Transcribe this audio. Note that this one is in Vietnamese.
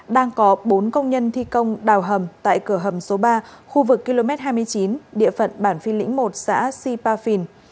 đang có bốn công nhân thi công đào hầm tại cửa hầm số ba khu vực km hai mươi chín địa phận bản phi lĩnh một xã sipa phìn